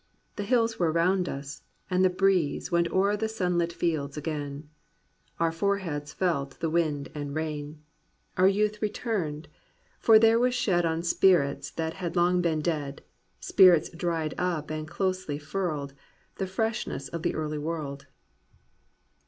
The hills were round us, and the breeze Went o'er the sun lit fields again: Our foreheads felt the wind and rain. 236 GLORY OF THE IMPERFECT" Our youth returned; for there was shed On spirits that had long been dead, Spirits dried up and closely furled. The freshness of the early world."